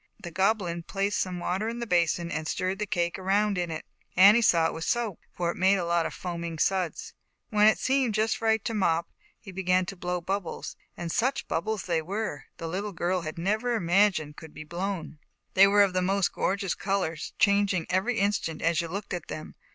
The Goblin placed some water in the basin and stirred the cake around in it. Annie saw it was soap, for it made a lot of foaming suds. When it seemed just right to Mop, he began to blow bubbles, and such bub bles as they were, the little girl had never imagined could be blown. o They were of the most gorgeous uors, changing every instant as you looked at them.